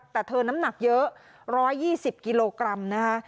แต่เธอน้ำหนักเยอะ๑๒๐กิโลกรัมนะคะ